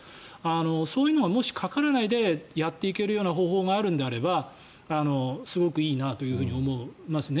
そういうのがもしかからないでやっていける方法があるのであればすごくいいなと思いますね。